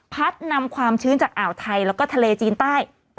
นำความชื้นจากอ่าวไทยแล้วก็ทะเลจีนใต้